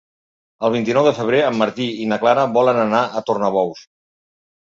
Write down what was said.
El vint-i-nou de febrer en Martí i na Clara volen anar a Tornabous.